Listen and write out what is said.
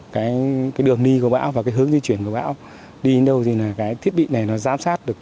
cái đường đi của bão và cái hướng di chuyển của bão đi đến đâu thì là cái thiết bị này nó giám sát được